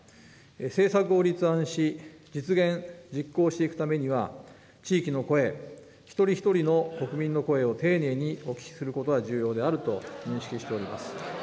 政策を立案し、実現、実行していくためには、地域の声、一人一人の国民の声を丁寧にお聞きすることが重要であると認識しております。